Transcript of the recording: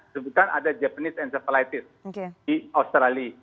sebut kan ada japanese encephalitis di australia